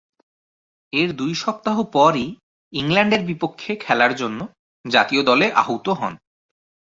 এর দুই সপ্তাহ পরই ইংল্যান্ডের বিপক্ষে খেলার জন্যে জাতীয় দলে আহুত হন।